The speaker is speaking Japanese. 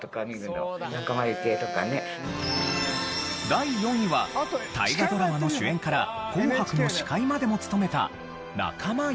第４位は大河ドラマの主演から『紅白』の司会までも務めた仲間由紀恵。